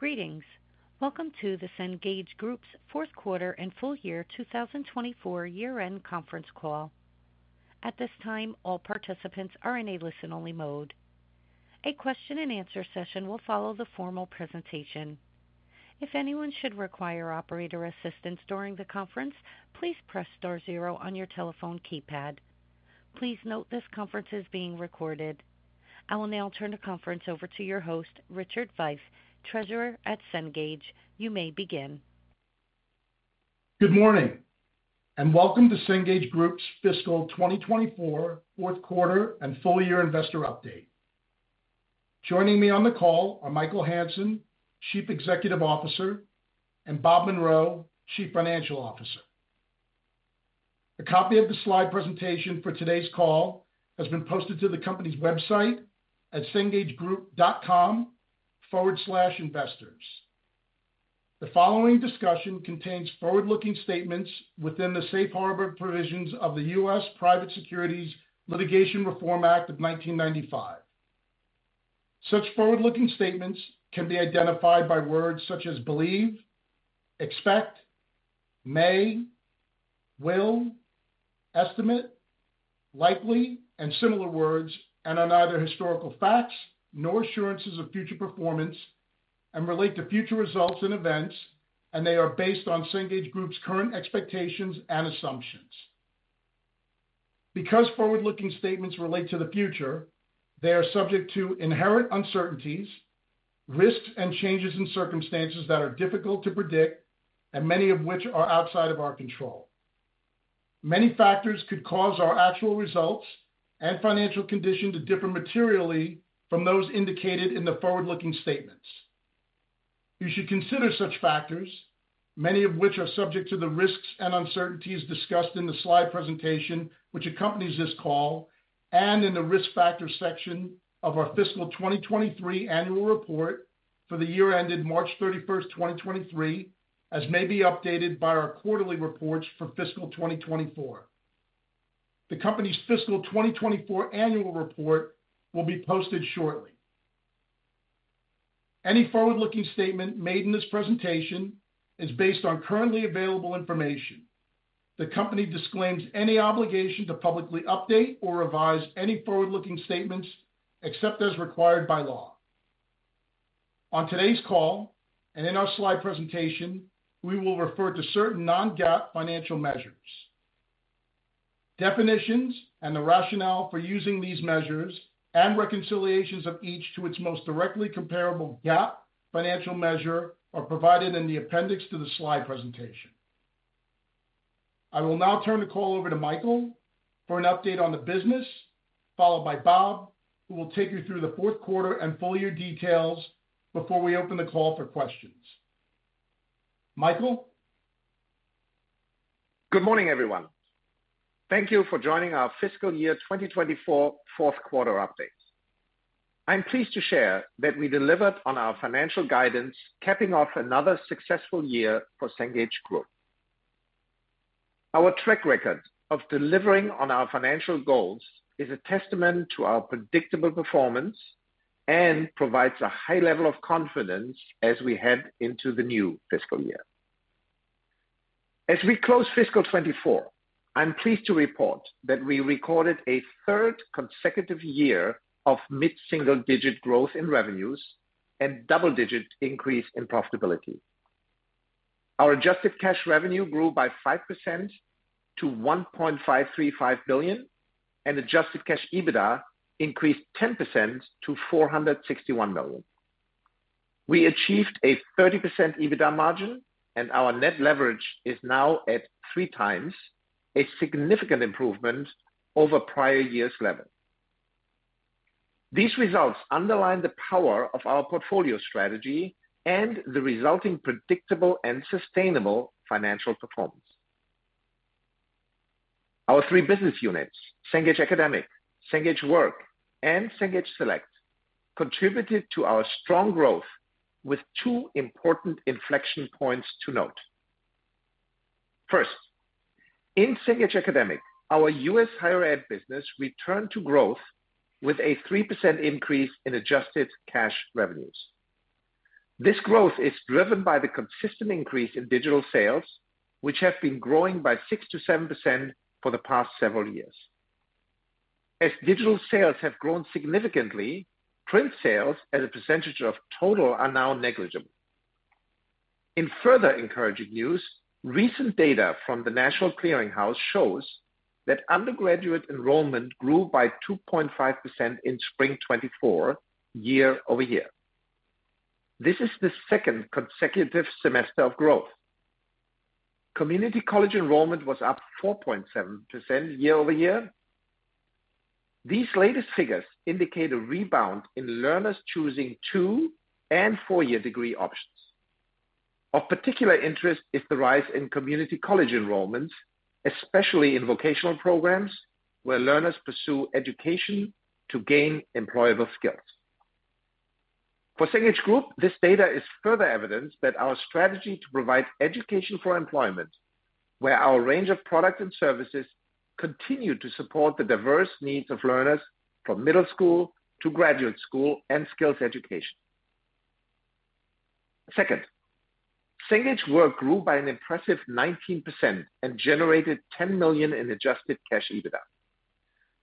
Greetings! Welcome to the Cengage Group's fourth quarter and full year 2024 year-end conference call. At this time, all participants are in a listen-only mode. A question-and-answer session will follow the formal presentation. If anyone should require operator assistance during the conference, please press star zero on your telephone keypad. Please note this conference is being recorded. I will now turn the conference over to your host, Richard Veith, Treasurer at Cengage. You may begin. Good morning, and welcome to Cengage Group's fiscal 2024 fourth quarter and full-year investor update. Joining me on the call are Michael Hansen, Chief Executive Officer, and Bob Munro, Chief Financial Officer. A copy of the slide presentation for today's call has been posted to the company's website at cengagegroup.com/investors. The following discussion contains forward-looking statements within the safe harbor provisions of the U.S. Private Securities Litigation Reform Act of 1995. Such forward-looking statements can be identified by words such as believe, expect, may, will, estimate, likely, and similar words, and are neither historical facts nor assurances of future performance and relate to future results and events, and they are based on Cengage Group's current expectations and assumptions. Because forward-looking statements relate to the future, they are subject to inherent uncertainties, risks, and changes in circumstances that are difficult to predict, and many of which are outside of our control. Many factors could cause our actual results and financial condition to differ materially from those indicated in the forward-looking statements. You should consider such factors, many of which are subject to the risks and uncertainties discussed in the slide presentation, which accompanies this call, and in the Risk Factors section of our fiscal 2023 annual report for the year ended March 31st, 2023, as may be updated by our quarterly reports for fiscal 2024. The company's fiscal 2024 annual report will be posted shortly. Any forward-looking statement made in this presentation is based on currently available information. The company disclaims any obligation to publicly update or revise any forward-looking statements, except as required by law. On today's call and in our slide presentation, we will refer to certain non-GAAP financial measures. Definitions and the rationale for using these measures and reconciliations of each to its most directly comparable GAAP financial measure are provided in the appendix to the slide presentation. I will now turn the call over to Michael for an update on the business, followed by Bob, who will take you through the fourth quarter and full-year details before we open the call for questions. Michael? Good morning, everyone. Thank you for joining our fiscal year 2024 fourth quarter update. I'm pleased to share that we delivered on our financial guidance, capping off another successful year for Cengage Group. Our track record of delivering on our financial goals is a testament to our predictable performance and provides a high level of confidence as we head into the new fiscal year. As we close fiscal 2024, I'm pleased to report that we recorded a third consecutive year of mid-single-digit growth in revenues and double-digit increase in profitability. Our adjusted cash revenue grew by 5% to $1.535 billion, and adjusted cash EBITDA increased 10% to $461 million. We achieved a 30% EBITDA margin, and our net leverage is now at 3x, a significant improvement over prior years' level. These results underline the power of our portfolio strategy and the resulting predictable and sustainable financial performance. Our three business units, Cengage Academic, Cengage Work, and Cengage Select, contributed to our strong growth with two important inflection points to note. First, in Cengage Academic, our U.S. Higher Ed business returned to growth with a 3% increase in adjusted cash revenues. This growth is driven by the consistent increase in digital sales, which have been growing by 6%-7% for the past several years. As digital sales have grown significantly, print sales as a percentage of total are now negligible. In further encouraging news, recent data from the National Clearinghouse shows that undergraduate enrollment grew by 2.5% in spring 2024, year-over-year. This is the second consecutive semester of growth. Community college enrollment was up 4.7% year-over-year. These latest figures indicate a rebound in learners choosing two- and four-year degree options. Of particular interest is the rise in community college enrollments, especially in vocational programs, where learners pursue education to gain employable skills. For Cengage Group, this data is further evidence that our strategy to provide education for employment where our range of products and services continue to support the diverse needs of learners, from middle school to graduate school and skills education. Second, Cengage Work grew by an impressive 19% and generated $10 million in adjusted cash EBITDA.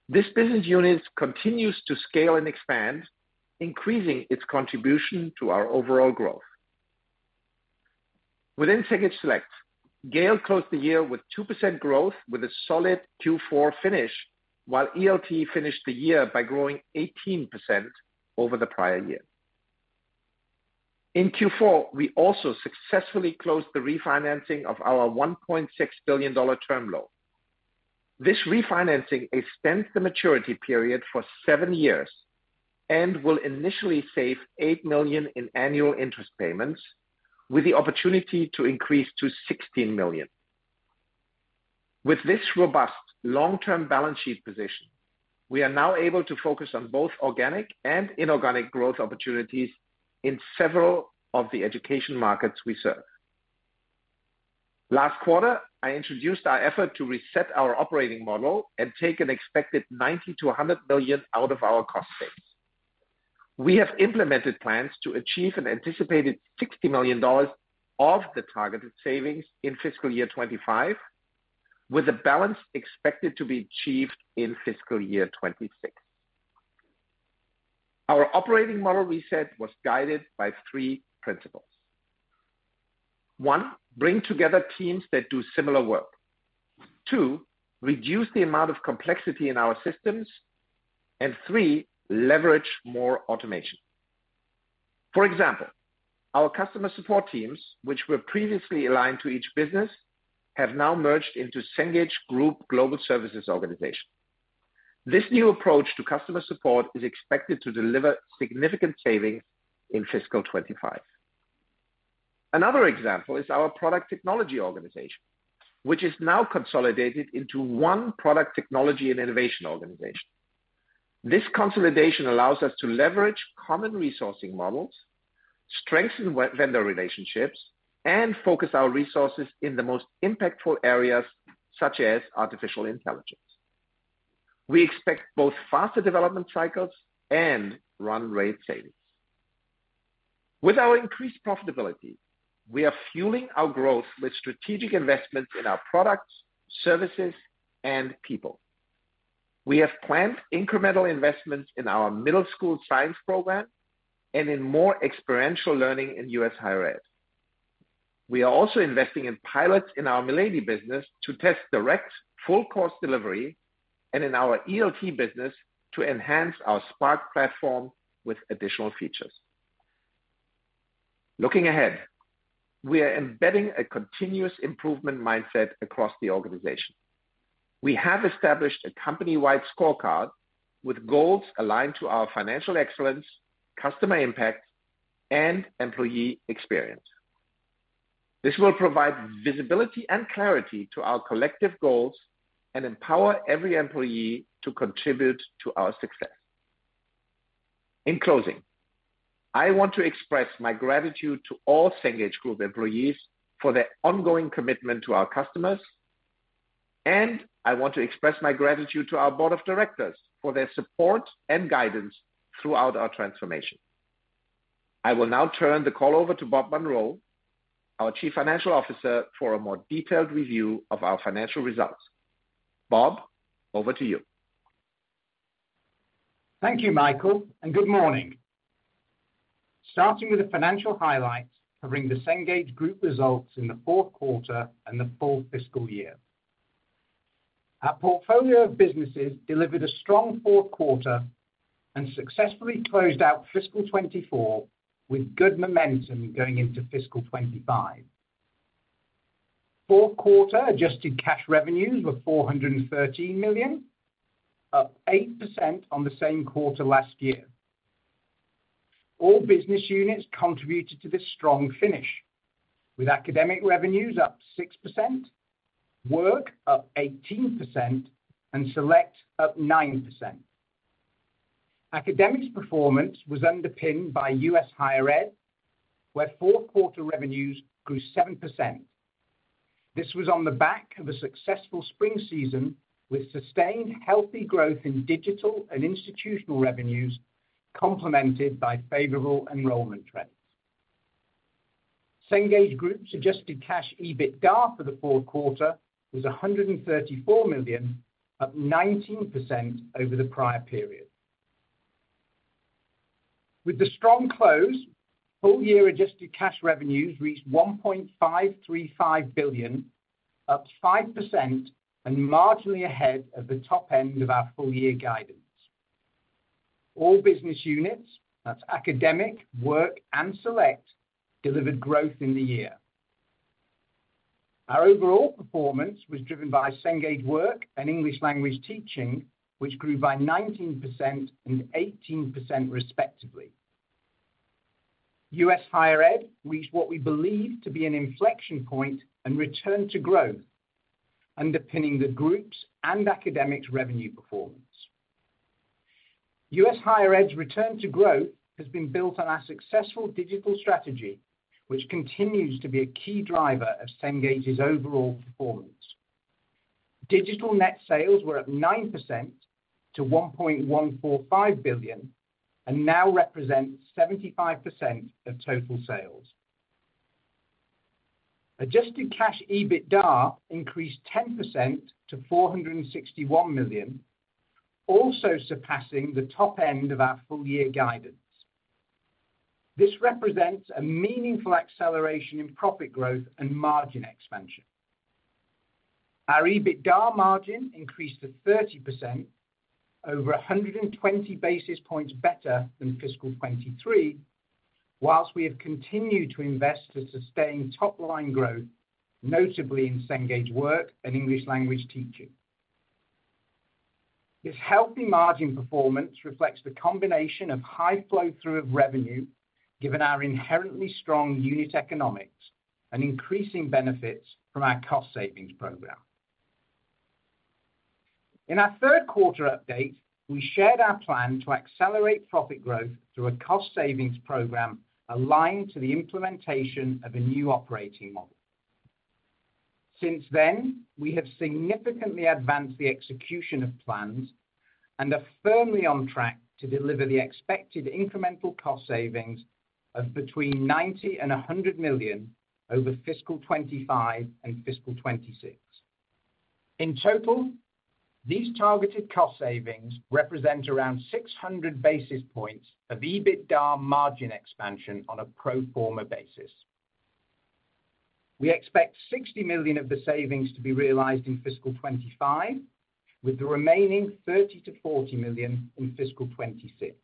This business unit continues to scale and expand, increasing its contribution to our overall growth. Within Cengage Select, Gale closed the year with 2% growth, with a solid Q4 finish, while ELT finished the year by growing 18% over the prior year. In Q4, we also successfully closed the refinancing of our $1.6 billion term loan. This refinancing extends the maturity period for seven years and will initially save $8 million in annual interest payments, with the opportunity to increase to $16 million. With this robust long-term balance sheet position, we are now able to focus on both organic and inorganic growth opportunities in several of the education markets we serve. Last quarter, I introduced our effort to reset our operating model and take an expected $90 million-$100 million out of our cost base. We have implemented plans to achieve an anticipated $60 million of the targeted savings in fiscal year 2025, with a balance expected to be achieved in fiscal year 2026. Our operating model reset was guided by three principles: One, bring together teams that do similar work. Two, reduce the amount of complexity in our systems. Three, leverage more automation. For example, our customer support teams, which were previously aligned to each business, have now merged into Cengage Group Global Services Organization. This new approach to customer support is expected to deliver significant savings in fiscal 2025. Another example is our product technology organization, which is now consolidated into one product technology and innovation organization. This consolidation allows us to leverage common resourcing models, strengthen vendor relationships, and focus our resources in the most impactful areas, such as artificial intelligence. We expect both faster development cycles and run rate savings. With our increased profitability, we are fueling our growth with strategic investments in our products, services, and people. We have planned incremental investments in our middle school science program and in more experiential learning in U.S. Higher Ed. We are also investing in pilots in our Milady business to test direct full course delivery and in our ELT business to enhance our Spark platform with additional features. Looking ahead, we are embedding a continuous improvement mindset across the organization. We have established a company-wide scorecard with goals aligned to our financial excellence, customer impact, and employee experience. This will provide visibility and clarity to our collective goals and empower every employee to contribute to our success. In closing, I want to express my gratitude to all Cengage Group employees for their ongoing commitment to our customers, and I want to express my gratitude to our board of directors for their support and guidance throughout our transformation. I will now turn the call over to Bob Munro, our Chief Financial Officer, for a more detailed review of our financial results. Bob, over to you. Thank you, Michael, and good morning. Starting with the financial highlights covering the Cengage Group results in the fourth quarter and the full fiscal year. Our portfolio of businesses delivered a strong fourth quarter and successfully closed out fiscal 2024 with good momentum going into fiscal 2025. Fourth quarter adjusted cash revenues were $413 million, up 8% on the same quarter last year. All business units contributed to this strong finish, with academic revenues up 6%, Work up 18%, and Select up 9%. Academic's performance was underpinned by U.S. Higher Ed, where fourth quarter revenues grew 7%. This was on the back of a successful spring season, with sustained healthy growth in digital and institutional revenues, complemented by favorable enrollment trends. Cengage Group's adjusted cash EBITDA for the fourth quarter was $134 million, up 19% over the prior period. With the strong close, full-year adjusted cash revenues reached $1.535 billion, up 5% and marginally ahead of the top end of our full-year guidance. All business units, that's Academic, Work, and Select, delivered growth in the year. Our overall performance was driven by Cengage Work and English Language Teaching, which grew by 19% and 18%, respectively. U.S. Higher Ed reached what we believe to be an inflection point and returned to growth, underpinning the group's and academics revenue performance. U.S. Higher Ed's return to growth has been built on our successful digital strategy, which continues to be a key driver of Cengage's overall performance. Digital net sales were up 9% to $1.145 billion, and now represent 75% of total sales. Adjusted cash EBITDA increased 10% to $461 million, also surpassing the top end of our full year guidance. This represents a meaningful acceleration in profit growth and margin expansion. Our EBITDA margin increased to 30%, over 120 basis points better than fiscal 2023, while we have continued to invest to sustain top-line growth, notably in Cengage Work and English language teaching. This healthy margin performance reflects the combination of high flow-through of revenue, given our inherently strong unit economics and increasing benefits from our cost savings program. In our third quarter update, we shared our plan to accelerate profit growth through a cost savings program aligned to the implementation of a new operating model. Since then, we have significantly advanced the execution of plans and are firmly on track to deliver the expected incremental cost savings of between $90 million and $100 million over fiscal 2025 and fiscal 2026. In total, these targeted cost savings represent around 600 basis points of EBITDA margin expansion on a pro forma basis. We expect $60 million of the savings to be realized in fiscal 2025, with the remaining $30 million-$40 million in fiscal 2026.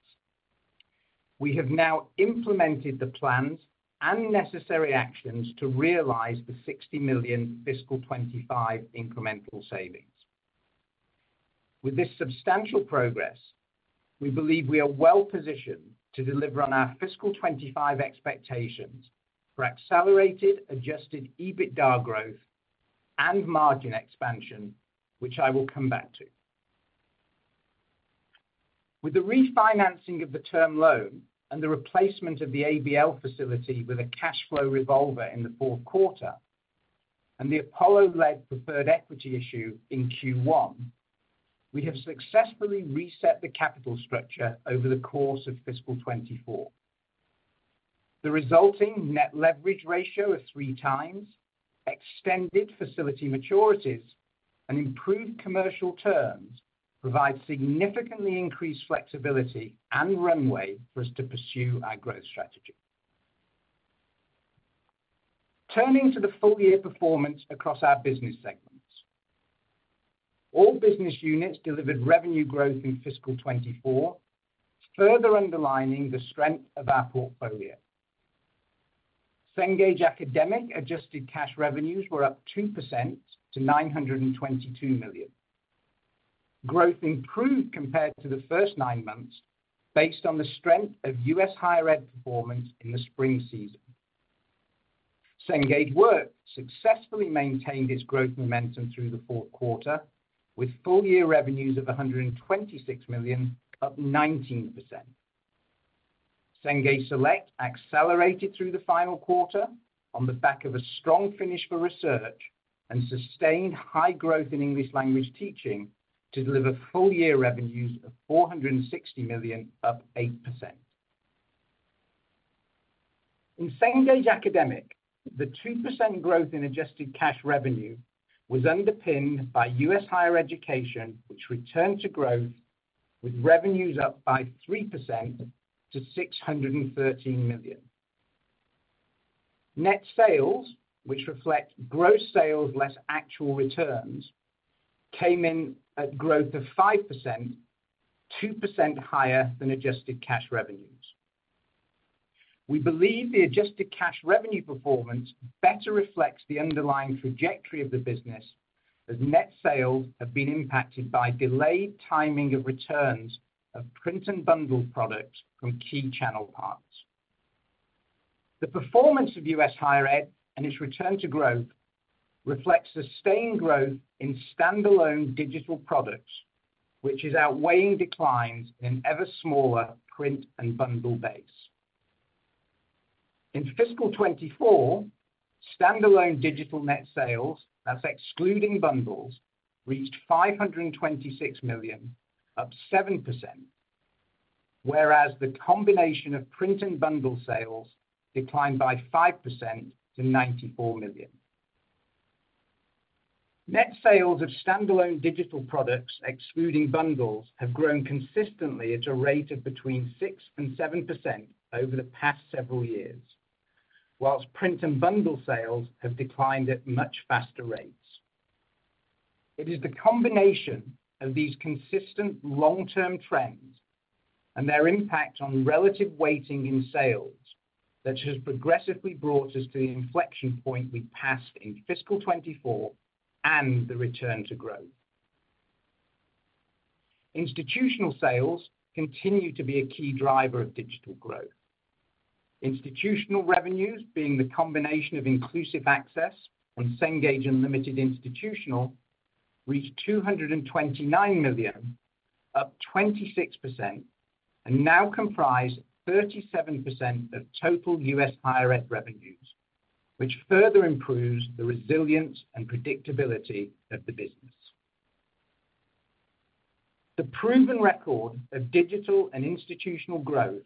We have now implemented the plans and necessary actions to realize the $60 million fiscal 2025 incremental savings. With this substantial progress, we believe we are well positioned to deliver on our fiscal 2025 expectations for accelerated, adjusted EBITDA growth and margin expansion, which I will come back to. With the refinancing of the term loan and the replacement of the ABL facility with a cash flow revolver in the fourth quarter, and the Apollo-led preferred equity issue in Q1, we have successfully reset the capital structure over the course of fiscal 2024. The resulting net leverage ratio of 3x, extended facility maturities, and improved commercial terms provide significantly increased flexibility and runway for us to pursue our growth strategy. Turning to the full-year performance across our business segments. All business units delivered revenue growth in fiscal 2024, further underlining the strength of our portfolio. Cengage Academic adjusted cash revenues were up 2% to $922 million. Growth improved compared to the first nine months, based on the strength of U.S. Higher Ed performance in the spring season. Cengage Work successfully maintained its growth momentum through the fourth quarter, with full-year revenues of $126 million, up 19%. Cengage Select accelerated through the final quarter on the back of a strong finish for research and sustained high growth in English language teaching to deliver full-year revenues of $460 million, up 8%. In Cengage Academic, the 2% growth in adjusted cash revenue was underpinned by U.S. Higher Education, which returned to growth with revenues up by 3% to $613 million. Net sales, which reflect gross sales less actual returns, came in at growth of 5%, 2% higher than adjusted cash revenues. We believe the adjusted cash revenue performance better reflects the underlying trajectory of the business, as net sales have been impacted by delayed timing of returns of print and bundle products from key channel partners. The performance of U.S. Higher Ed and its return to growth reflects sustained growth in standalone digital products, which is outweighing declines in ever smaller print and bundle base. In fiscal 2024, standalone digital net sales, that's excluding bundles, reached $526 million, up 7%, whereas the combination of print and bundle sales declined by 5% to $94 million. Net sales of standalone digital products, excluding bundles, have grown consistently at a rate of between 6% and 7% over the past several years, while print and bundle sales have declined at much faster rates. It is the combination of these consistent long-term trends and their impact on relative weighting in sales that has progressively brought us to the inflection point we passed in fiscal 2024 and the return to growth. Institutional sales continue to be a key driver of digital growth. Institutional revenues, being the combination of Inclusive Access and Cengage Unlimited Institutional, reached $229 million, up 26%, and now comprise 37% of total U.S. Higher Ed revenues, which further improves the resilience and predictability of the business. The proven record of digital and institutional growth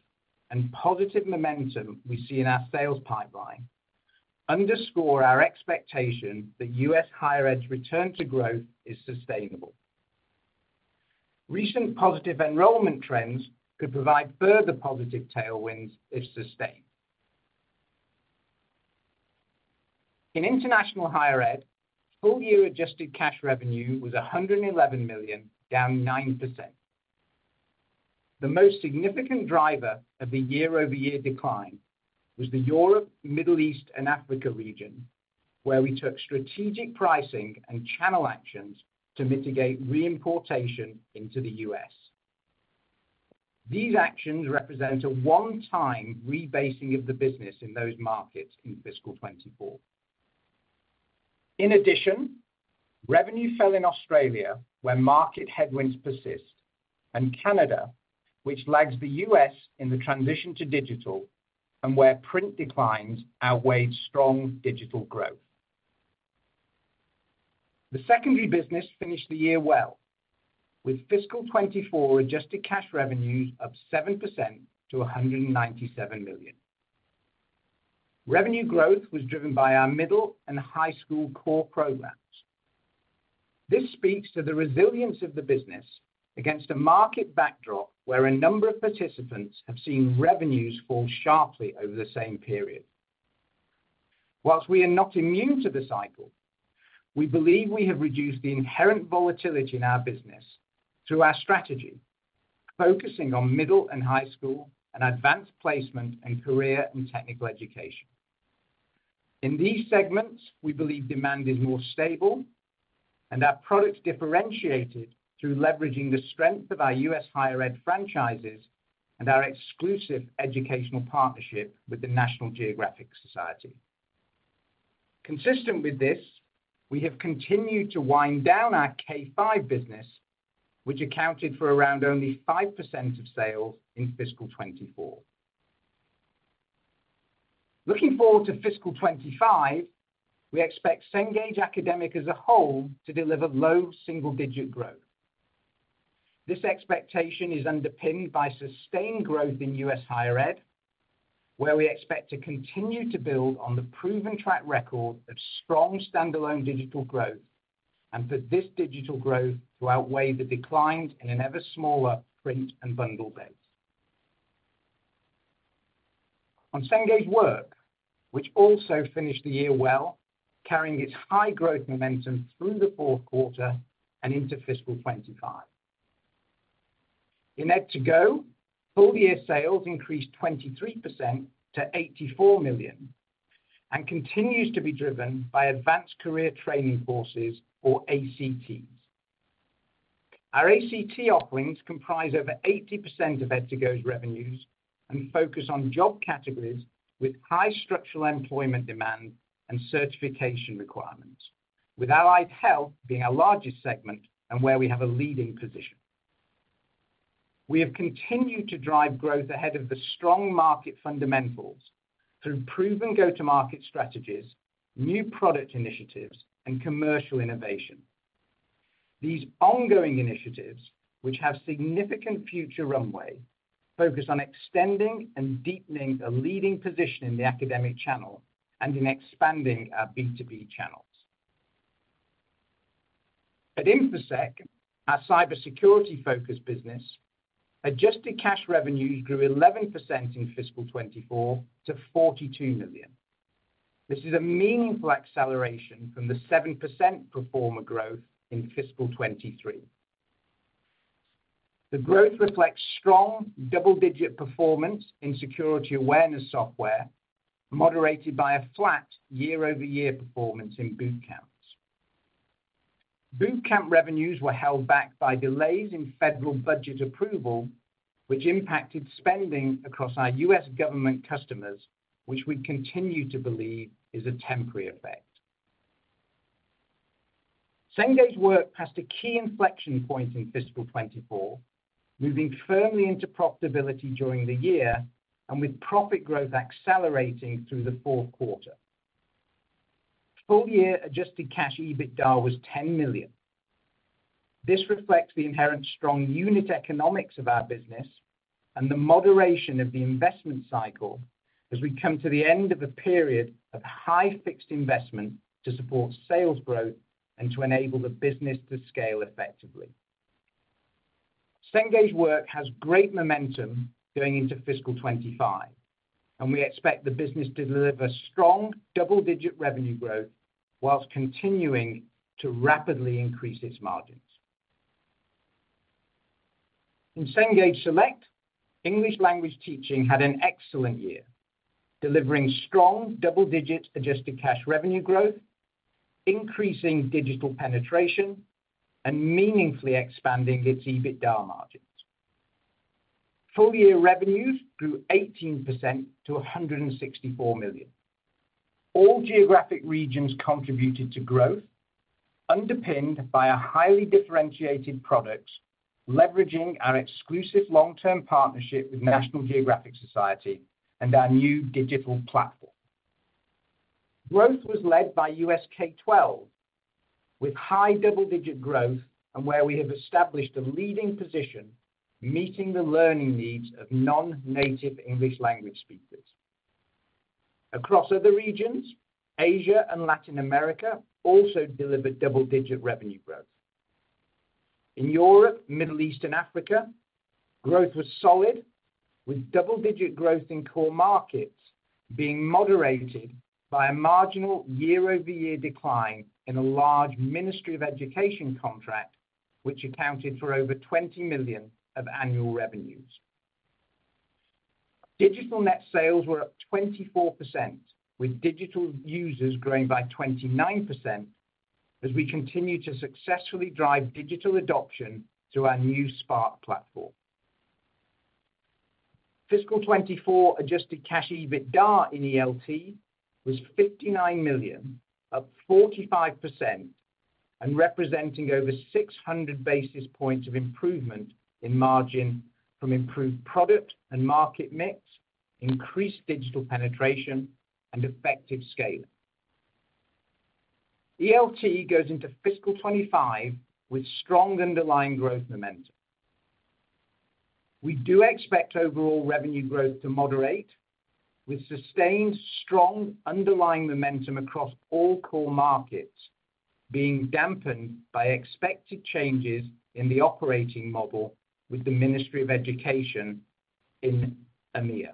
and positive momentum we see in our sales pipeline underscore our expectation that U.S. Higher Ed's return to growth is sustainable. Recent positive enrollment trends could provide further positive tailwinds if sustained. In International Higher Ed, full-year adjusted cash revenue was $111 million, down 9%. The most significant driver of the year-over-year decline was the Europe, Middle East, and Africa region, where we took strategic pricing and channel actions to mitigate reimportation into the U.S.. These actions represent a one-time rebasing of the business in those markets in fiscal 2024. In addition, revenue fell in Australia, where market headwinds persist, and Canada, which lags the U.S. in the transition to digital, and where print declines outweighed strong digital growth. The secondary business finished the year well, with fiscal 2024 adjusted cash revenues up 7% to $197 million. Revenue growth was driven by our middle and high school core programs. This speaks to the resilience of the business against a market backdrop where a number of participants have seen revenues fall sharply over the same period. While we are not immune to the cycle, we believe we have reduced the inherent volatility in our business through our strategy, focusing on middle and high school, and Advanced Placement, and career and technical education. In these segments, we believe demand is more stable, and our products differentiated through leveraging the strength of our U.S. Higher Ed franchises and our exclusive educational partnership with the National Geographic Society. Consistent with this, we have continued to wind down our K-5 business, which accounted for around only 5% of sales in fiscal 2024. Looking forward to fiscal 2025, we expect Cengage Academic as a whole to deliver low single-digit growth. This expectation is underpinned by sustained growth in U.S. Higher Ed, where we expect to continue to build on the proven track record of strong standalone digital growth, and for this digital growth to outweigh the declines in an ever-smaller print and bundle base. On Cengage Work, which also finished the year well, carrying its high growth momentum through the fourth quarter and into fiscal 2025. In ed2go, full-year sales increased 23% to $84 million, and continues to be driven by Advanced Career Training courses, or ACTs. Our ACT offerings comprise over 80% of ed2go's revenues and focus on job categories with high structural employment demand and certification requirements, with allied health being our largest segment and where we have a leading position. We have continued to drive growth ahead of the strong market fundamentals through proven go-to-market strategies, new product initiatives, and commercial innovation. These ongoing initiatives, which have significant future runway, focus on extending and deepening a leading position in the academic channel and in expanding our B2B channels. At Infosec, our cybersecurity-focused business, adjusted cash revenues grew 11% in fiscal 2024 to $42 million. This is a meaningful acceleration from the 7% pro forma growth in fiscal 2023. The growth reflects strong double-digit performance in security awareness software, moderated by a flat year-over-year performance in boot camps. Boot camp revenues were held back by delays in federal budget approval, which impacted spending across our U.S. government customers, which we continue to believe is a temporary effect. Cengage Work passed a key inflection point in fiscal 2024, moving firmly into profitability during the year and with profit growth accelerating through the fourth quarter. Full-year adjusted cash EBITDA was $10 million. This reflects the inherent strong unit economics of our business and the moderation of the investment cycle as we come to the end of a period of high fixed investment to support sales growth and to enable the business to scale effectively. Cengage Work has great momentum going into fiscal 2025, and we expect the business to deliver strong double-digit revenue growth while continuing to rapidly increase its margins. In Cengage Select, English language teaching had an excellent year, delivering strong double-digit adjusted cash revenue growth, increasing digital penetration, and meaningfully expanding its EBITDA margins. Full year revenues grew 18% to $164 million. All geographic regions contributed to growth, underpinned by a highly differentiated products, leveraging our exclusive long-term partnership with National Geographic Society and our new digital platform. Growth was led by U.S. K-12, with high double-digit growth, and where we have established a leading position, meeting the learning needs of non-native English language speakers. Across other regions, Asia and Latin America also delivered double-digit revenue growth. In Europe, Middle East and Africa, growth was solid, with double-digit growth in core markets being moderated by a marginal year-over-year decline in a large Ministry of Education contract, which accounted for over $20 million of annual revenues. Digital net sales were up 24%, with digital users growing by 29%, as we continue to successfully drive digital adoption to our new Spark platform. Fiscal 2024 adjusted cash EBITDA in ELT was $59 million, up 45%, and representing over 600 basis points of improvement in margin from improved product and market mix, increased digital penetration, and effective scaling. ELT goes into Fiscal 2025 with strong underlying growth momentum. We do expect overall revenue growth to moderate, with sustained strong underlying momentum across all core markets being dampened by expected changes in the operating model with the Ministry of Education in EMEA.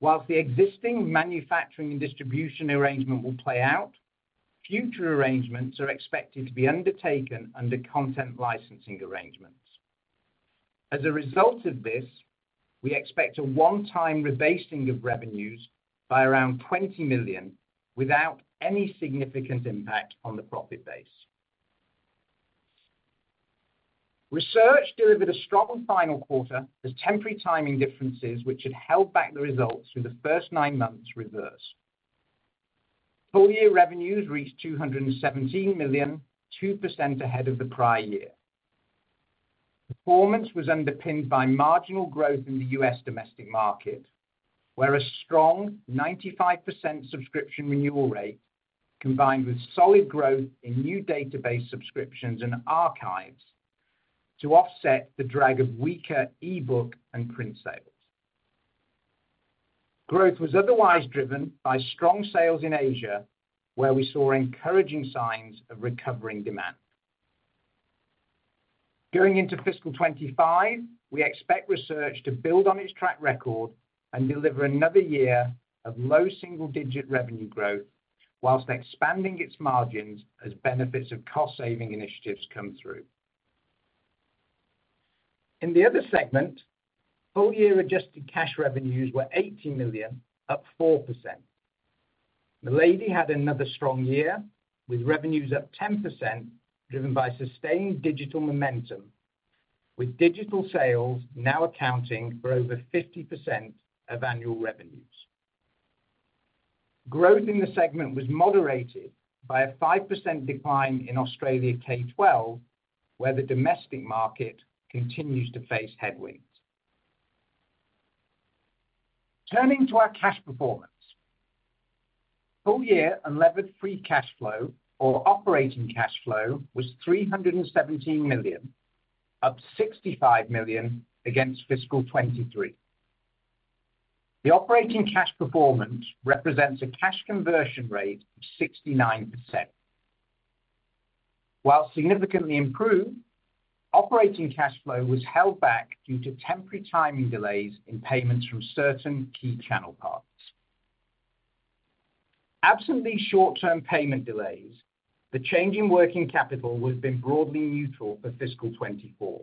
While the existing manufacturing and distribution arrangement will play out, future arrangements are expected to be undertaken under content licensing arrangements. As a result of this, we expect a one-time rebasing of revenues by around $20 million, without any significant impact on the profit base. Research delivered a strong final quarter, as temporary timing differences, which had held back the results through the first nine months, reversed. Full year revenues reached $217 million, 2% ahead of the prior year. Performance was underpinned by marginal growth in the U.S. domestic market, where a strong 95% subscription renewal rate, combined with solid growth in new database subscriptions and archives, to offset the drag of weaker ebook and print sales. Growth was otherwise driven by strong sales in Asia, where we saw encouraging signs of recovering demand. Going into fiscal 2025, we expect research to build on its track record and deliver another year of low single-digit revenue growth, whilst expanding its margins as benefits of cost saving initiatives come through. In the other segment, full year adjusted cash revenues were $80 million, up 4%. Milady had another strong year, with revenues up 10%, driven by sustained digital momentum, with digital sales now accounting for over 50% of annual revenues. Growth in the segment was moderated by a 5% decline in Australia K-12, where the domestic market continues to face headwinds. Turning to our cash performance. Full year unlevered free cash flow or operating cash flow was $317 million, up $65 million against fiscal 2023. The operating cash performance represents a cash conversion rate of 69%. While significantly improved, operating cash flow was held back due to temporary timing delays in payments from certain key channel partners. Absent these short-term payment delays, the change in working capital would have been broadly neutral for fiscal 2024.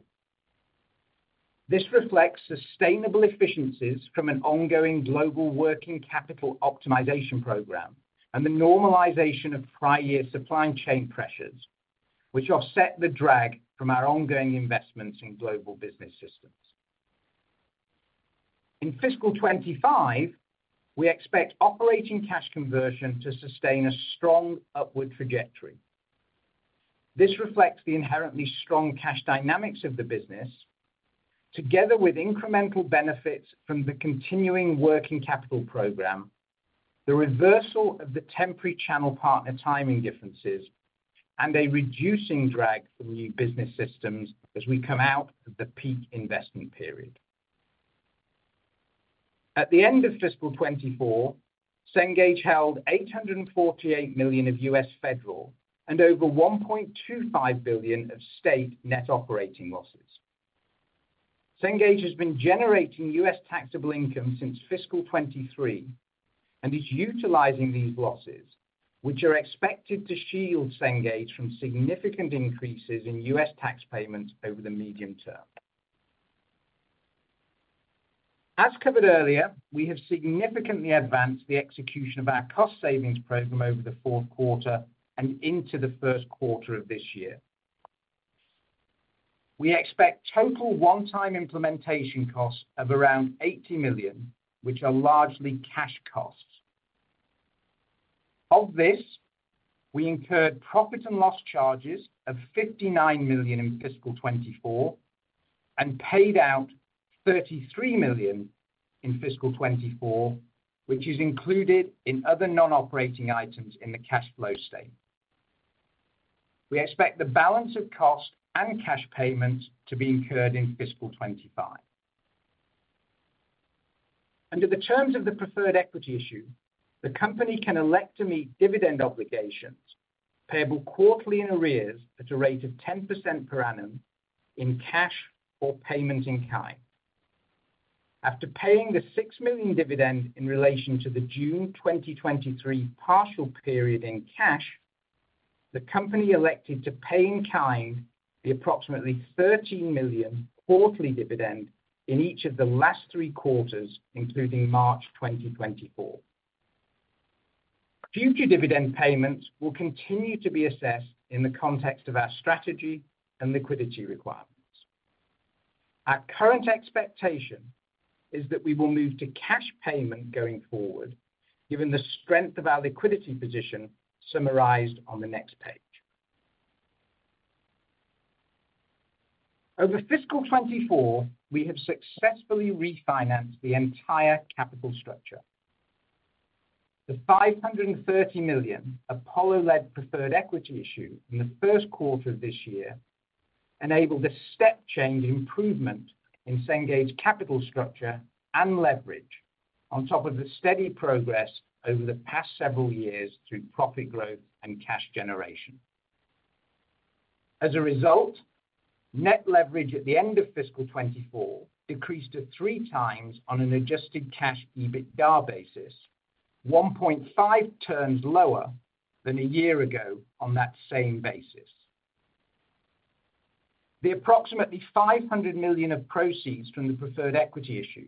This reflects sustainable efficiencies from an ongoing global working capital optimization program and the normalization of prior year supply chain pressures, which offset the drag from our ongoing investments in global business systems. In fiscal 2025, we expect operating cash conversion to sustain a strong upward trajectory. This reflects the inherently strong cash dynamics of the business, together with incremental benefits from the continuing working capital program, the reversal of the temporary channel partner timing differences, and a reducing drag from new business systems as we come out of the peak investment period. At the end of fiscal 2024, Cengage held $848 million of U.S. federal and over $1.25 billion of state net operating losses. Cengage has been generating U.S. taxable income since fiscal 2023 and is utilizing these losses, which are expected to shield Cengage from significant increases in U.S. tax payments over the medium term. As covered earlier, we have significantly advanced the execution of our cost savings program over the fourth quarter and into the first quarter of this year. We expect total one-time implementation costs of around $80 million, which are largely cash costs. Of this, we incurred profit and loss charges of $59 million in fiscal 2024, and paid out $33 million in fiscal 2024, which is included in other non-operating items in the cash flow statement. We expect the balance of cost and cash payments to be incurred in fiscal 2025. Under the terms of the preferred equity issue, the company can elect to meet dividend obligations, payable quarterly in arrears at a rate of 10% per annum in cash or payment in kind. After paying the $6 million dividend in relation to the June 2023 partial period in cash, the company elected to pay in kind the approximately $13 million quarterly dividend in each of the last three quarters, including March 2024. Future dividend payments will continue to be assessed in the context of our strategy and liquidity requirements. Our current expectation is that we will move to cash payment going forward, given the strength of our liquidity position summarized on the next page. Over fiscal 2024, we have successfully refinanced the entire capital structure. The $530 million Apollo-led preferred equity issue in the first quarter of this year enabled a step change improvement in Cengage capital structure and leverage, on top of the steady progress over the past several years through profit growth and cash generation. As a result, net leverage at the end of fiscal 2024 decreased to 3x on an adjusted cash EBITDA basis, 1.5x lower than a year ago on that same basis. The approximately $500 million of proceeds from the preferred equity issue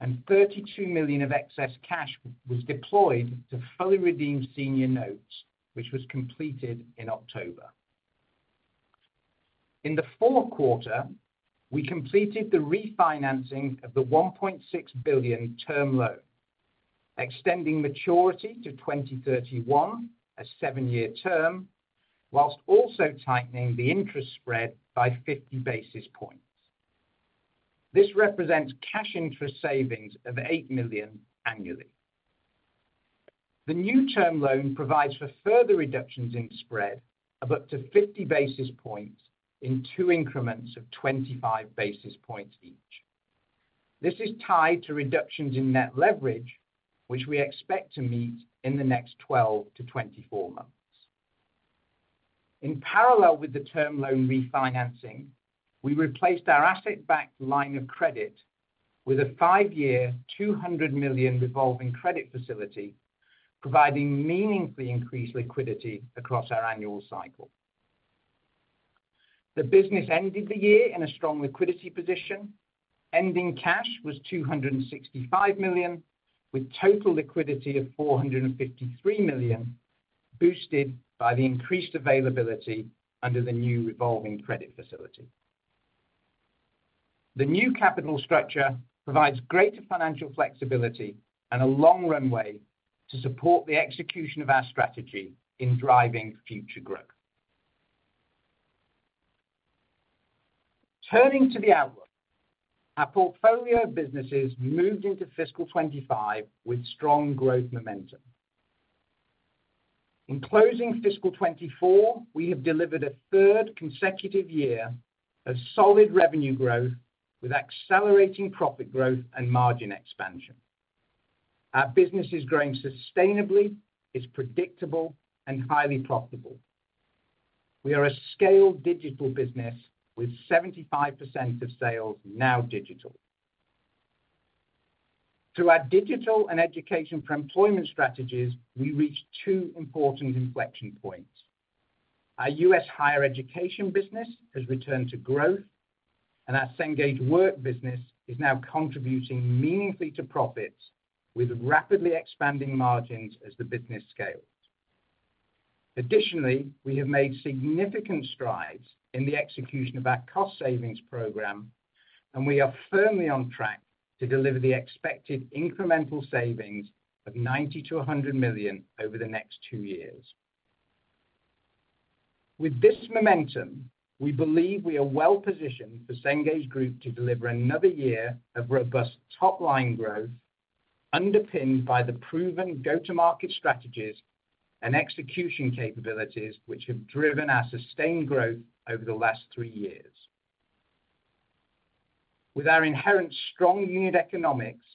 and $32 million of excess cash was deployed to fully redeem senior notes, which was completed in October. In the fourth quarter, we completed the refinancing of the $1.6 billion term loan, extending maturity to 2031, a seven-year term, while also tightening the interest spread by 50 basis points. This represents cash interest savings of $8 million annually. The new term loan provides for further reductions in spread of up to 50 basis points in two increments of 25 basis points each. This is tied to reductions in net leverage, which we expect to meet in the next 12-24 months. In parallel with the term loan refinancing, we replaced our asset-backed line of credit with a five-year, $200 million revolving credit facility, providing meaningfully increased liquidity across our annual cycle. The business ended the year in a strong liquidity position. Ending cash was $265 million, with total liquidity of $453 million, boosted by the increased availability under the new revolving credit facility. The new capital structure provides greater financial flexibility and a long runway to support the execution of our strategy in driving future growth. Turning to the outlook, our portfolio of businesses moved into fiscal 2025 with strong growth momentum. In closing fiscal 2024, we have delivered a third consecutive year of solid revenue growth, with accelerating profit growth and margin expansion. Our business is growing sustainably, it's predictable, and highly profitable. We are a scaled digital business with 75% of sales now digital. Through our digital and education for employment strategies, we reached two important inflection points. Our U.S. Higher Education business has returned to growth, and our Cengage Work business is now contributing meaningfully to profits with rapidly expanding margins as the business scales. Additionally, we have made significant strides in the execution of our cost savings program, and we are firmly on track to deliver the expected incremental savings of $90 million-$100 million over the next two years. With this momentum, we believe we are well positioned for Cengage Group to deliver another year of robust top-line growth, underpinned by the proven go-to-market strategies and execution capabilities, which have driven our sustained growth over the last three years. With our inherent strong unit economics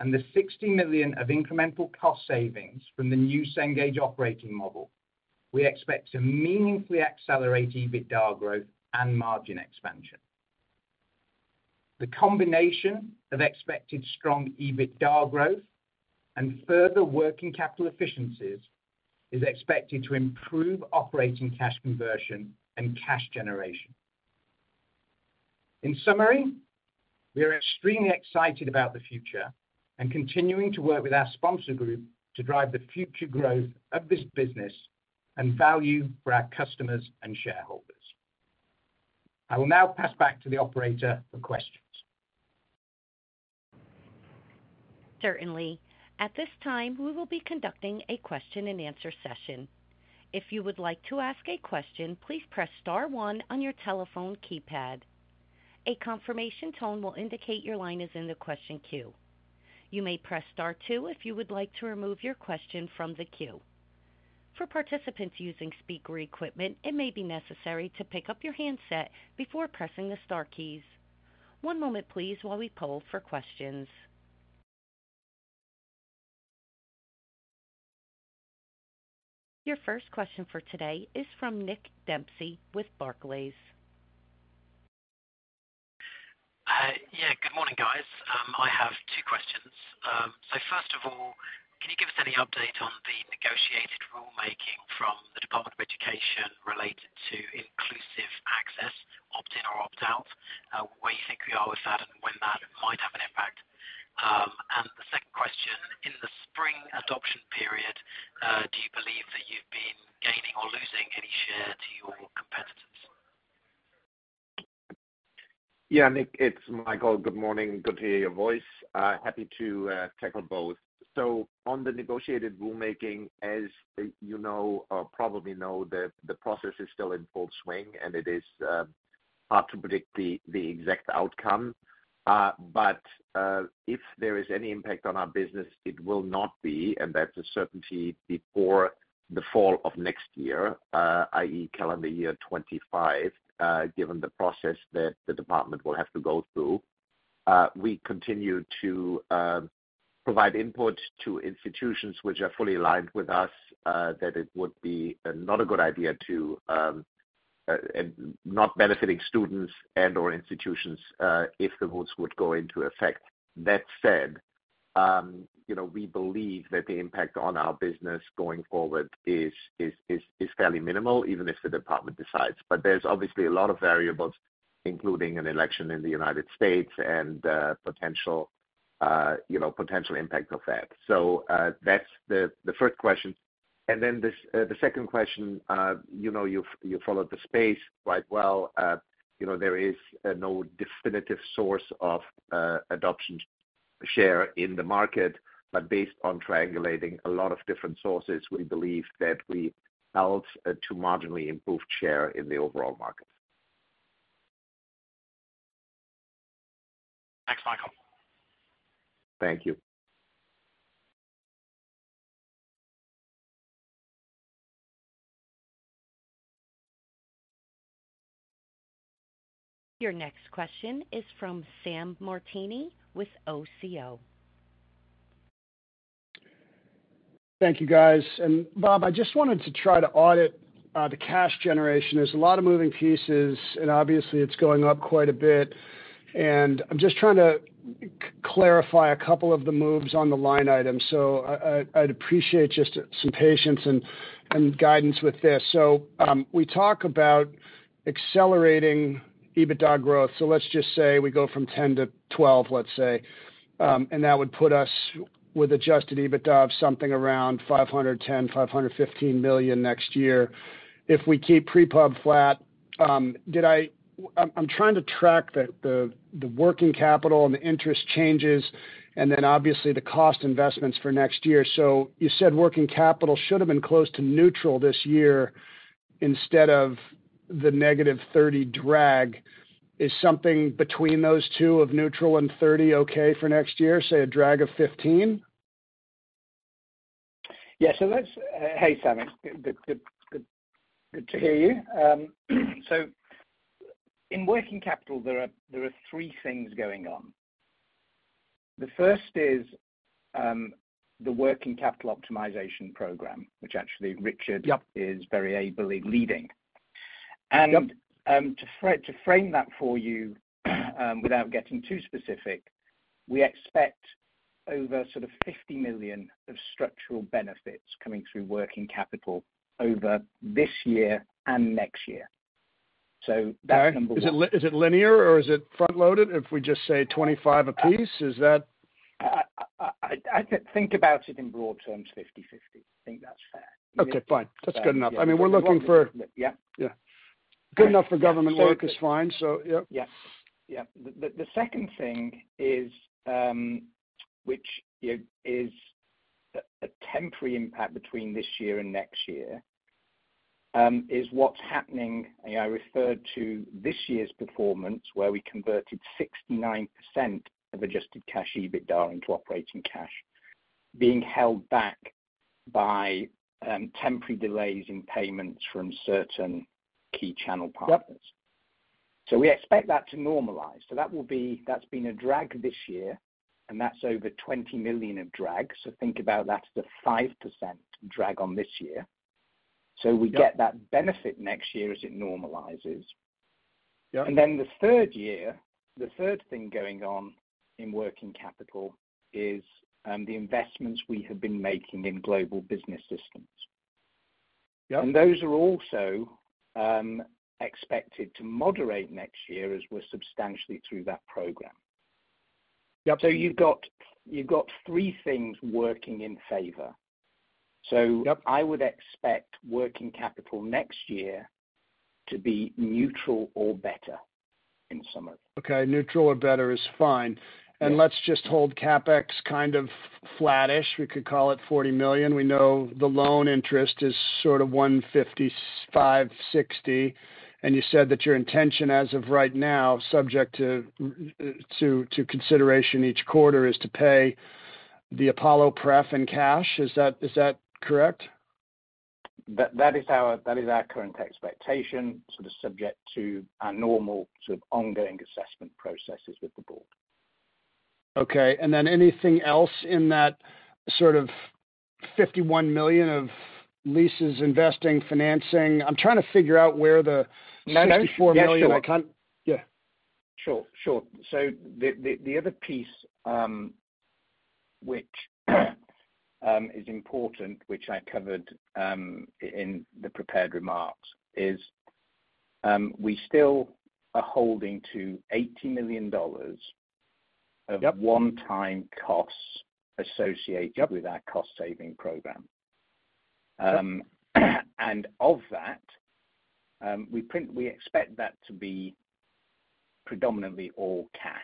and the $60 million of incremental cost savings from the new Cengage operating model, we expect to meaningfully accelerate EBITDA growth and margin expansion. The combination of expected strong EBITDA growth and further working capital efficiencies is expected to improve operating cash conversion and cash generation. In summary, we are extremely excited about the future and continuing to work with our sponsor group to drive the future growth of this business and value for our customers and shareholders. I will now pass back to the operator for questions. Certainly. At this time, we will be conducting a question-and-answer session. If you would like to ask a question, please press star one on your telephone keypad. A confirmation tone will indicate your line is in the question queue. You may press star two if you would like to remove your question from the queue. For participants using speaker equipment, it may be necessary to pick up your handset before pressing the star keys. One moment please, while we poll for questions. Your first question for today is from Nick Dempsey with Barclays. Yeah, good morning, guys. I have two questions. So first of all, can you give us any update on the negotiated rulemaking from the Department of Education related to Inclusive Access, opt in or opt out? Where you think we are with that and when that might have an impact? And the second question, in the spring adoption period, do you believe that you've been gaining or losing any share to your competitors? Yeah, Nick, it's Michael. Good morning. Good to hear your voice. Happy to tackle both. So on the negotiated rulemaking, as you know, or probably know, the process is still in full swing, and it is hard to predict the exact outcome. But if there is any impact on our business, it will not be, and that's a certainty before the fall of next year, i.e., calendar year 2025, given the process that the department will have to go through. We continue to provide input to institutions which are fully aligned with us, that it would be not a good idea to, and not benefiting students and/or institutions, if the rules would go into effect. That said, you know, we believe that the impact on our business going forward is fairly minimal, even if the department decides. But there's obviously a lot of variables, including an election in the United States and potential, you know, potential impact of that. So, that's the first question. And then the second question, you know, you've followed the space quite well. You know, there is no definitive source of adoption share in the market, but based on triangulating a lot of different sources, we believe that we helped to marginally improve share in the overall market. Thanks, Michael. Thank you. Your next question is from Sam Martini with OCO. Thank you, guys. And Bob, I just wanted to try to audit the cash generation. There's a lot of moving pieces, and obviously, it's going up quite a bit, and I'm just trying to clarify a couple of the moves on the line items. So I'd appreciate just some patience and guidance with this. So, we talk about accelerating EBITDA growth. So let's just say we go from 10-12, let's say, and that would put us with adjusted EBITDA of something around $510 million-$515 million next year. If we keep pre-pub flat, I'm trying to track the working capital and the interest changes and then obviously the cost investments for next year. So you said working capital should have been close to neutral this year instead of the negative $30 million drag. Is something between those two of neutral and 30 okay for next year, say a drag of 15? Yeah, so let's... hey, Sam. Good, good, good, good to hear you. So in working capital, there are, there are three things going on. The first is, the working capital optimization program, which actually Richard- Yep. is very ably leading. To frame that for you, without getting too specific, we expect over sort of $50 million of structural benefits coming through working capital over this year and next year. So that's number one. Is it, is it linear, or is it front-loaded if we just say 25 apiece? Is that- I think about it in broad terms, 50/50. I think that's fair. Okay, fine. That's good enough. Yeah. I mean, we're looking for- Yeah. Yeah. Good enough for government work is fine. So- Yes. Yep. The second thing is, which, you know, is a temporary impact between this year and next year, is what's happening, and I referred to this year's performance, where we converted 69% of adjusted cash EBITDA into operating cash, being held back by temporary delays in payments from certain key channel partners. So we expect that to normalize. So that will be... That's been a drag this year, and that's over $20 million of drag. So think about that as a 5% drag on this year. Yep. We get that benefit next year as it normalizes. And then the third year, the third thing going on in working capital is the investments we have been making in global business systems. Those are also expected to moderate next year as we're substantially through that program. Yep. You've got, you've got three things working in favor. Yep. I would expect working capital next year to be neutral or better, in summary. Okay, neutral or better is fine. Let's just hold CapEx kind of flattish. We could call it $40 million. We know the loan interest is sort of $155 million-$160 million, and you said that your intention, as of right now, subject to consideration each quarter, is to pay the Apollo pref in cash. Is that correct? That is our current expectation, sort of subject to our normal sort of ongoing assessment processes with the board. Okay, and then anything else in that sort of $51 million of leases, investing, financing? I'm trying to figure out where the $64 million- Yes, sure. I can- Yeah. Sure, sure. So the other piece, which is important, which I covered in the prepared remarks, is we still are holding to $80 million of one-time costs associated with our cost-saving program. And of that, we expect that to be predominantly all cash.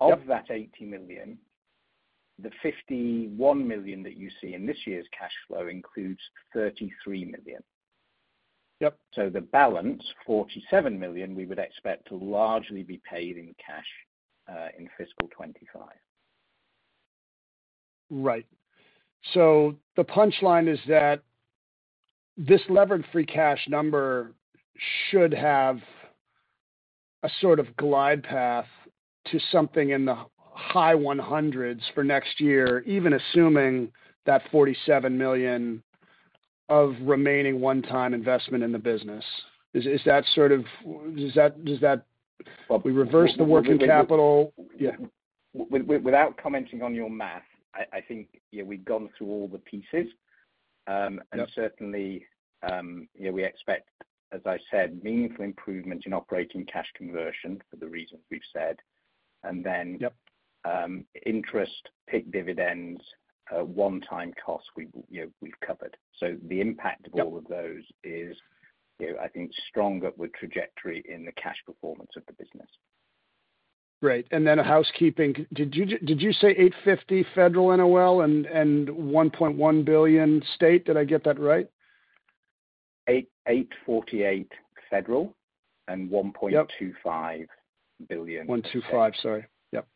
Yep. Of that $80 million, the $51 million that you see in this year's cash flow includes $33 million. Yep. So the balance, $47 million, we would expect to largely be paid in cash in fiscal 2025. Right. So the punchline is that this levered free cash number should have a sort of glide path to something in the high 100s for next year, even assuming that $47 million of remaining one-time investment in the business. Is, is that sort of... Does that, does that- Well- We reverse the working capital. Yeah. Without commenting on your math, I think, yeah, we've gone through all the pieces and certainly, yeah, we expect, as I said, meaningful improvement in operating cash conversion for the reasons we've said. And then interest, PIK dividends, one-time costs. We've, you know, we've covered. The impact of all of those is, you know, I think stronger with trajectory in the cash performance of the business. Right, and then housekeeping. Did you say $850 million federal NOL and $1.1 billion state? Did I get that right? $848 million federal, and $1.25 billion. $1.25 million. Sorry. Yep.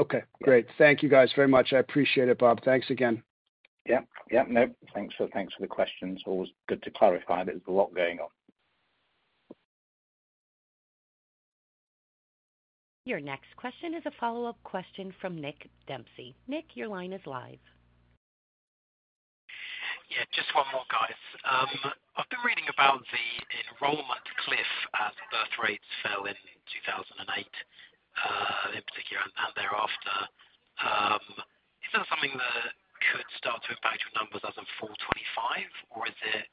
Okay, great. Thank you, guys, very much. I appreciate it, Bob. Thanks again. Yep, yep. Nope. Thanks for, thanks for the questions. Always good to clarify. There's a lot going on. Your next question is a follow-up question from Nick Dempsey. Nick, your line is live. Yeah, just one more, guys. I've been reading about the enrollment cliff as birth rates fell in 2008, in particular, and thereafter. Is that something that could start to impact your numbers as of fall 2025, or is it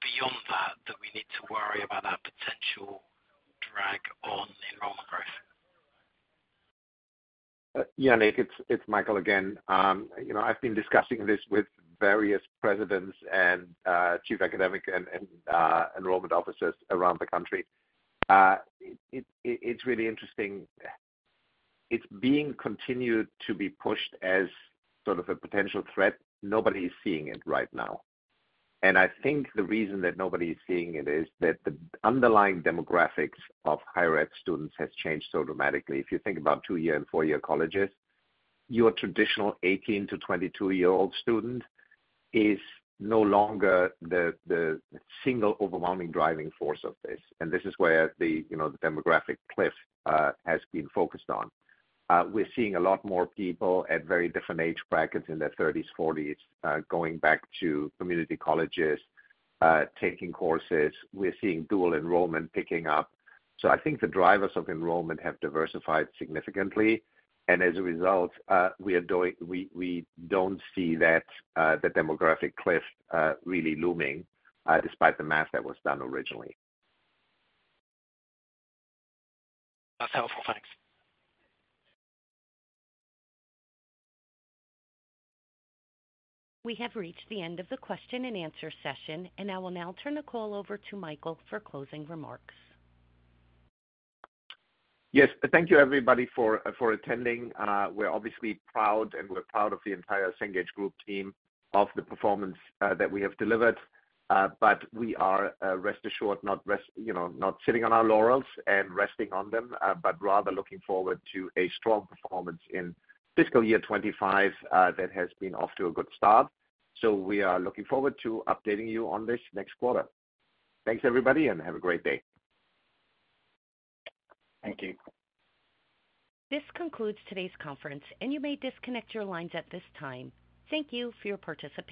beyond that, that we need to worry about that potential drag on enrollment growth? Yeah, Nick, it's Michael again. You know, I've been discussing this with various presidents and chief academic and enrollment officers around the country. It's really interesting. It's being continued to be pushed as sort of a potential threat. Nobody is seeing it right now, and I think the reason that nobody is seeing it is that the underlying demographics of higher ed students has changed so dramatically. If you think about two-year and four-year colleges, your traditional 18- to 22-year-old student is no longer the single overwhelming driving force of this, and this is where the, you know, the demographic cliff has been focused on. We're seeing a lot more people at very different age brackets, in their 30s, 40s, going back to community colleges, taking courses. We're seeing dual enrollment picking up. So I think the drivers of enrollment have diversified significantly, and as a result, we are doing... We don't see that the demographic cliff really looming, despite the math that was done originally. That's helpful. Thanks. We have reached the end of the question and answer session, and I will now turn the call over to Michael for closing remarks. Yes, thank you, everybody, for attending. We're obviously proud, and we're proud of the entire Cengage Group team, of the performance that we have delivered. But we are rest assured, not rest, you know, not sitting on our laurels and resting on them, but rather looking forward to a strong performance in fiscal year 2025 that has been off to a good start. So we are looking forward to updating you on this next quarter. Thanks, everybody, and have a great day. Thank you. This concludes today's conference, and you may disconnect your lines at this time. Thank you for your participation.